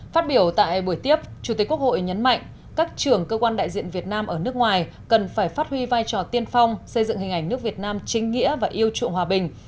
phát biểu tại buổi tiếp chủ tịch quốc hội nhấn mạnh các trưởng cơ quan đại diện việt nam ở nước ngoài cần phải phát huy vai trò tiên phong xây dựng hình ảnh nước việt nam chính nghĩa và yêu trụng hòa bình